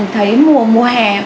thấy mùa hè